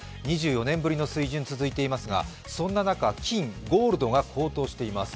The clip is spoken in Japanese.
２４年ぶりの水準が続いていますがそんな中金、ゴールドが高騰しています。